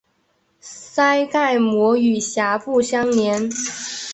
腮盖膜与峡部相连。